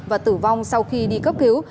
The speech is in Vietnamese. và tử vong sau khi đi cấp cứu